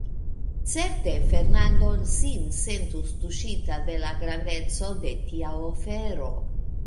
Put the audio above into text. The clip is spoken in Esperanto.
Certe Fernando sin sentus tuŝita de la grandeco de tia ofero.